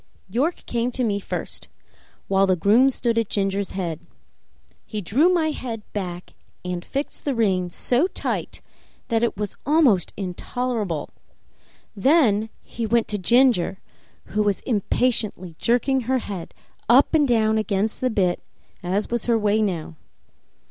York came to me first, while the groom stood at Ginger's head. He drew my head back and fixed the rein so tight that it was almost intolerable; then he went to Ginger, who was impatiently jerking her head up and down against the bit, as was her way now.